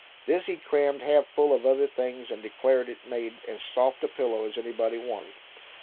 This he crammed half full of other things, and declared it made as soft a pillow as anybody wanted.